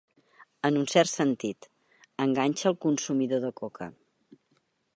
En un cert sentit, enganxa al consumidor de coca.